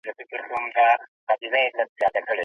دا کالي د درناوي لپاره دي.